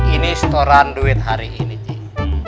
ini setoran duit hari ini